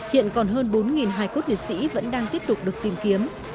hiện còn hơn bốn hài cốt liệt sĩ vẫn đang tiếp tục được tìm kiếm